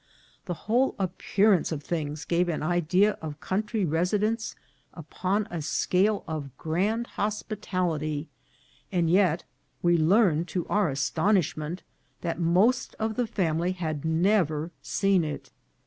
The whole appearance of things gave an idea of country residence upon a scale of grand hospi tality, and yet we learned, to our astonishment, that most of the family had never seen it.